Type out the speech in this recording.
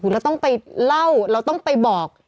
เราต้องไปเล่าเราต้องไปบอก